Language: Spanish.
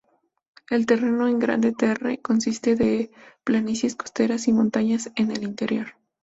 El terreno en Grande Terre consiste de planicies costeras, y montañas en el interior.